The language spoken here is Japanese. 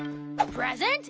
プレゼント！